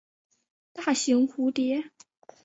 大型蝴蝶。